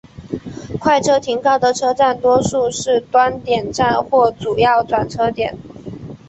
快车停靠的车站多数是端点站或主要转车点。